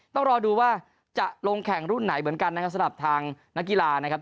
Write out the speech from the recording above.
ต้องรอดูว่าจะลงแข่งรุ่นไหนเหมือนกันนะครับสำหรับทางนักกีฬานะครับ